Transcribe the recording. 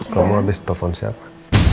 kamu abis telfon siapa